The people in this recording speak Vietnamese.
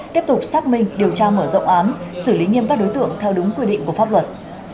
tiếp tục xác minh điều tra mở rộng án xử lý nghiêm các đối tượng theo đúng quy định của pháp luật